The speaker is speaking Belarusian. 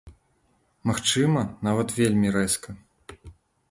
Магчыма, нават вельмі рэзка.